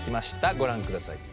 ご覧ください。